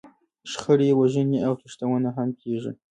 شخړې، وژنې او تښتونه هم کېږي.